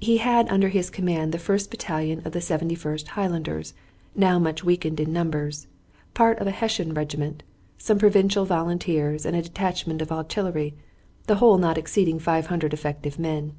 He had under his command the first battalion of the Seventy first Highlanders, now much weakened in numbers, part of a Hessian regiment, some provincial volunteers, and a detachment of artillery, the whole not exceeding 500 effective men.